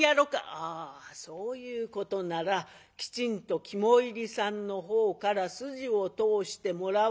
「ああそういうことならきちんと肝煎りさんのほうから筋を通してもらわんと」。